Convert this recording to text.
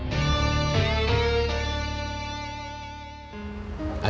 ini permainan besar